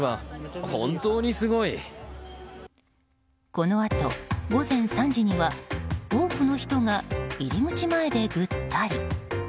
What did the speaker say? このあと、午前３時には多くの人が入り口前でぐったり。